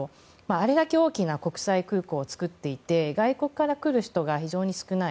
あれだけ大きな国際空港を作っていて外国から来る人が非常に少ない。